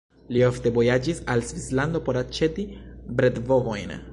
Li ofte vojaĝis al Svislando por aĉeti bredbovojn.